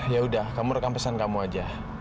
yaudah kamu rekam pesan kamu aja